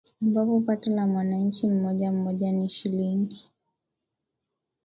ambapo pato la mwananchi mmoja mmoja ni Shilingi